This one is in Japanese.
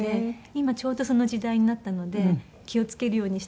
今ちょうどその時代になったので気を付けるようにしてます。